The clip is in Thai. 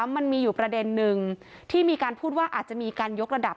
มันมีอยู่ประเด็นนึงที่มีการพูดว่าอาจจะมีการยกระดับ